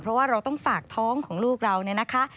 เพราะว่าเราต้องฝากท้องของลูกเราเนี่ยนะคะ